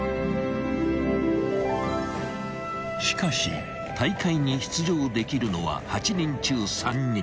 ［しかし大会に出場できるのは８人中３人］